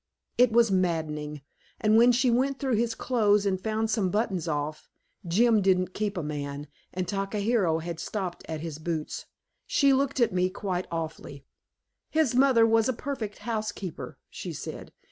It was maddening. And when she went through his clothes and found some buttons off (Jim didn't keep a man, and Takahiro had stopped at his boots) she looked at me quite awfully. "His mother was a perfect housekeeper," she said.